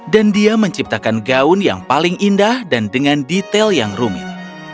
dan dia menciptakan gaun yang paling indah dan dengan detail yang rumit